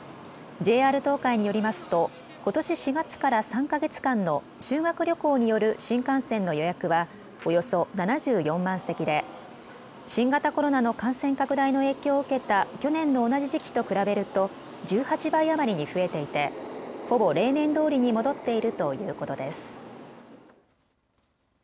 ＪＲ東海によりますとことし４月から３か月間の修学旅行による新幹線の予約はおよそ７４万席で新型コロナの感染拡大の影響を受けた去年の同じ時期と比べると１８倍余りに増えていてほぼ例年どおりに戻っているということです。